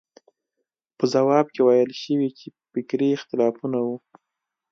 په ځواب کې ویل شوي چې فکري اختلافونه وو.